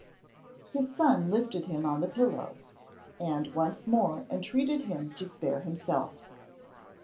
His son lifted him on the pillows, and once more entreated him to spare himself.